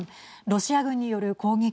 ロシア軍による攻撃